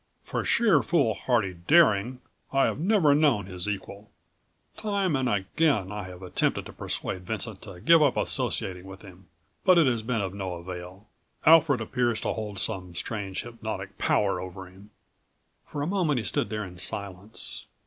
"For sheer foolhardy daring I have never known his equal. Time and again I have attempted to persuade Vincent to give up associating with him, but it has been of no avail. Alfred appears to hold some strange hypnotic power over him." For a moment he stood there in silence.